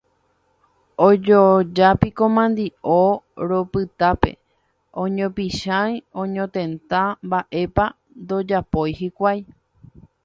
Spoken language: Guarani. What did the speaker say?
ojojapíko mandi'o ropytápe, oñopichãi, oñotenta, mba'épa ndojapói hikuái